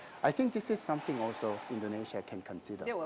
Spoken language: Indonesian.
saya pikir ini adalah sesuatu yang juga indonesia bisa pertimbangkan